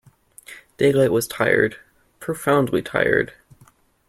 Daylight was tired, profoundly tired.